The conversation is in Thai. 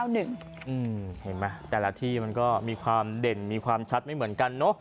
เห็นไหมแต่ละที่มันก็มีความเด่นมีความชัดไม่เหมือนกันเนอะ